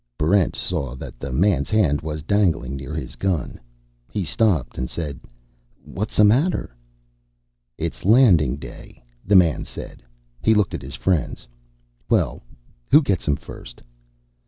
Barrent saw that the man's hand was dangling near his gun. He stopped and said, "What's the matter?" "It's Landing Day," the man said. He looked at his friends. "Well, who gets him first?"